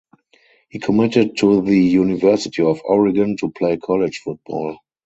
He committed to the University of Oregon to play college football.